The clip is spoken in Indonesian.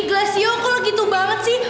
glassio kok lo gitu banget sih